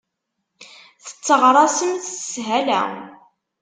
Tetteɣraṣemt s shala.